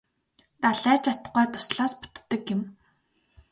Далай ч атугай дуслаас бүтдэг юм.